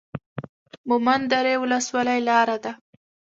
مومند درې ولسوالۍ لاره ده؟